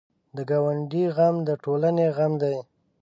د ګاونډي غم د ټولنې غم دی